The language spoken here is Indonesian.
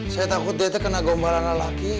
saya takut dia itu kena gombalan lelaki